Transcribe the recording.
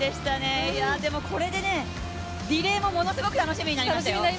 これでリレーもものすごく楽しみになりましたよ。